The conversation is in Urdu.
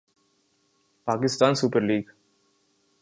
Pakistan Super league